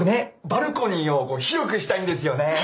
バルコニーを広くしたいんですよね。